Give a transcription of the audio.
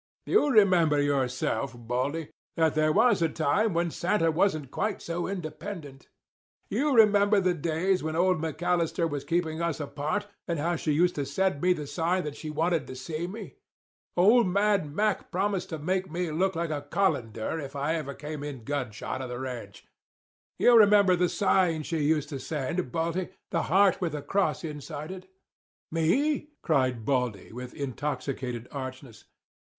"You remember, yourself, Baldy, that there was a time when Santa wasn't quite so independent. You remember the days when old McAllister was keepin' us apart, and how she used to send me the sign that she wanted to see me? Old man Mac promised to make me look like a colander if I ever come in gun shot of the ranch. You remember the sign she used to send, Baldy—the heart with a cross inside of it?" "Me?" cried Baldy, with intoxicated archness.